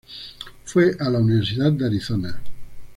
Fue a la universidad de Arizona.